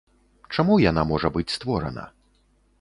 Чаму яна можа быць створана?